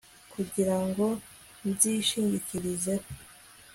kugira ngo nzishingikirizeho